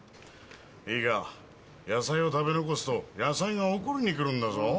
いいか野菜を食べ残すと野菜が怒りに来るんだぞ。